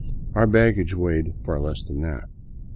Our baggage weighed far less than that.